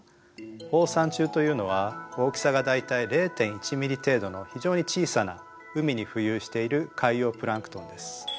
放散虫というのは大きさが大体０．１ｍｍ程度の非常に小さな海に浮遊している海洋プランクトンです。